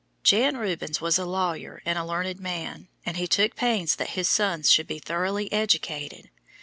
Jan Rubens was a lawyer and a learned man, and he took pains that his sons should be thoroughly educated.